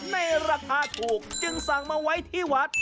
ในราคาถูกจึงสั่งมาไว้ที่วัด